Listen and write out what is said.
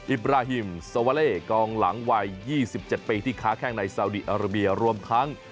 บราฮิมซาวาเล่กองหลังวัย๒๗ปีที่ค้าแข้งในซาวดีอาราเบียรวมทั้ง